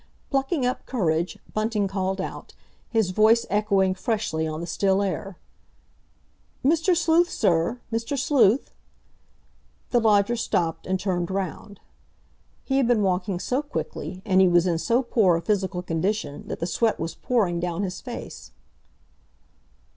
Plucking up courage, Bunting called out, his voice echoing freshly on the still air: "Mr. Sleuth, sir? Mr. Sleuth!" The lodger stopped and turned round. He had been walking so quickly, and he was in so poor a physical condition, that the sweat was pouring down his face.